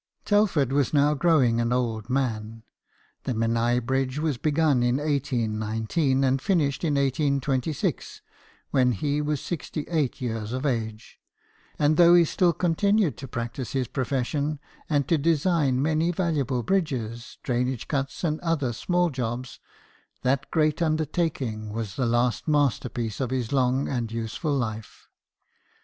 Telford was now growing an old man. The Mcnai bridge was begun in 1819 and finished in 1826, when he was sixty eight years of age ; and though he still continued to practise his profession, and to design many valuable bridges, drainage cuts, and other small jobs, that great 28 BIOGRAPHIES OF WORKING MEN. undertaking was the last masterpiece of his long and useful life.